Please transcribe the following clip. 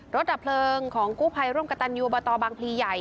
ดับเพลิงของกู้ภัยร่วมกับตันยูบตบางพลีใหญ่